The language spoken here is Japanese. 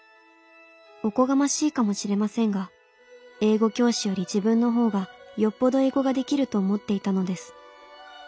おこがましいかもしれませんが英語教師より自分の方がよっぽど英語ができると思っていたのです。